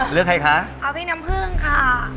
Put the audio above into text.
เลือกใครคะเอาพี่น้ำผึ้งค่ะ